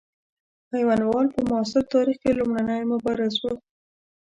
میوندوال په معاصر تاریخ کې لومړنی مبارز وو.